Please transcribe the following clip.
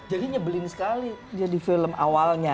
jadi nyebelin sekali jadi film awalnya